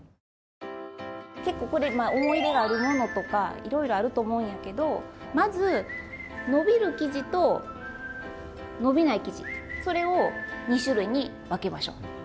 結構これ思い入れのあるものとかいろいろあると思うんやけどまず伸びる生地と伸びない生地それを２種類に分けましょう。